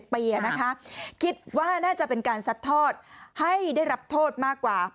๑๖๑๗ปีอะนะคะคิดว่าน่าจะเป็นการซัดทอดให้ได้รับโทษมากกว่า